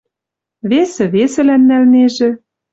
Весӹ весӹлӓн нӓлнежӹ: